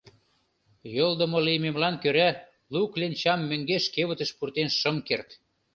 — Йолдымо лиймемлан кӧра лу кленчам мӧҥгеш кевытыш пуртен шым керт.